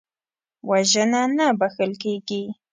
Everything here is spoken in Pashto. وژنه نه بخښل کېږي